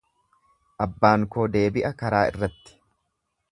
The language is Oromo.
Abbaan koo deebi'a karaa irratti.